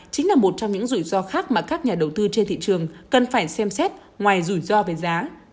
chính là một trong những rủi ro khác mà các nhà đầu tư trên thị trường cần phải xem xét ngoài rủi ro về giá